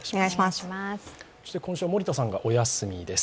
そして今週は森田さんがお休みです。